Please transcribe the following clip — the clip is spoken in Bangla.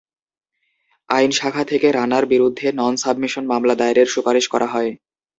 আইন শাখা থেকে রানার বিরুদ্ধে নন-সাবমিশন মামলা দায়েরের সুপারিশ করা হয়।